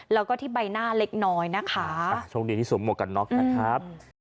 แล้วก็ที่ใบหน้าเล็กน้อยนะคะโชคดีที่สวมหวกกันน็อกนะครับ